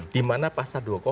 dimana pasal dua ratus dua puluh